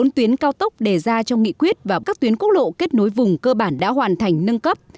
bốn tuyến cao tốc đề ra trong nghị quyết và các tuyến quốc lộ kết nối vùng cơ bản đã hoàn thành nâng cấp